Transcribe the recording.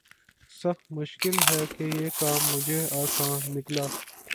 سخت مشکل ہے کہ یہ کام بھی آساں نکلا